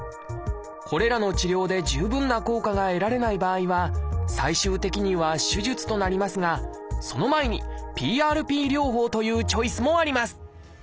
これらの治療で十分な効果が得られない場合は最終的には手術となりますがその前にＰＲＰ療法というチョイスもあります